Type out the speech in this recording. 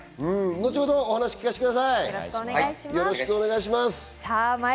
後ほど話を聞かせてください。